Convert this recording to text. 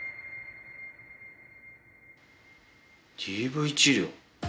「ＤＶ治療」。